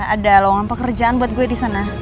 ada lowongan pekerjaan buat gue di sana